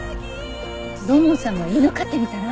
土門さんも犬飼ってみたら？